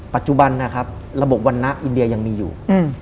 ปัจจุบันระบบวัณนะอินเดียยังมีอยู่